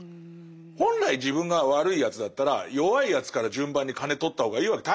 本来自分が悪いやつだったら弱いやつから順番に金とった方がいいわけ。